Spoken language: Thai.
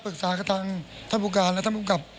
ปรึกษากับท่านภูมิบุรการท่านภูมิบรีกรัฐ